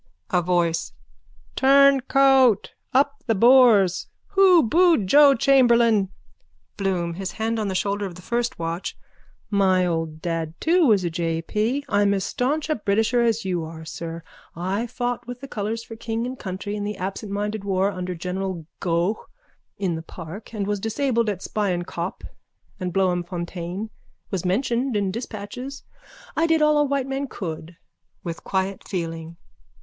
A VOICE: Turncoat! Up the Boers! Who booed Joe Chamberlain? BLOOM: (His hand on the shoulder of the first watch.) My old dad too was a J. P. I'm as staunch a Britisher as you are, sir. I fought with the colours for king and country in the absentminded war under general Gough in the park and was disabled at Spion Kop and Bloemfontein, was mentioned in dispatches. I did all a white man could. _(With quiet feeling.)